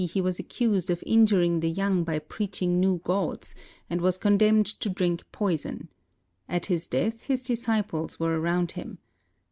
he was accused of injuring the young by preaching new gods, and was condemned to drink poison. At his death, his disciples were around him.